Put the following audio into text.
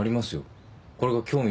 これが興味